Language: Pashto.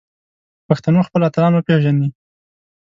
پښتنو خپل اتلان وپیژني